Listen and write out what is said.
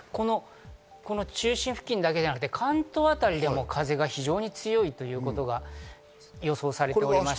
中心付近だけじゃなくて関東あたりでも非常に風が強いということが予想されています。